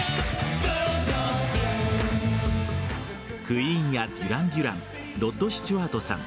クイーンやデュラン・デュランロッド・スチュワートさん